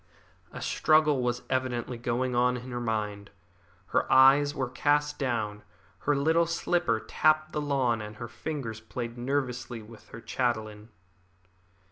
A struggle was evidently going on in her mind. Her eyes were cast down, her little slipper tapped the lawn, and her fingers played nervously with her chatelain.